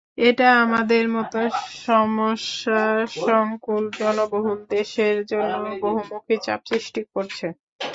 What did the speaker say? এটা আমাদের মতো সমস্যাসংকুল জনবহুল দেশের জন্য বহুমুখী চাপ সৃষ্টি করছে।